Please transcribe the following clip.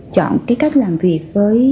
chọn cái cách làm việc với